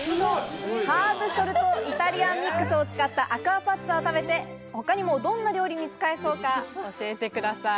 ハーブソルトイタリアンミックスを使ったアクアパッツァを食べて、他にもどんな料理に使えそうか、教えてください。